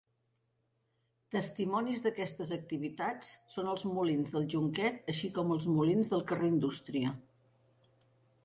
Testimonis d'aquestes activitats són els molins d'El Jonquet així com els molins del Carrer Indústria.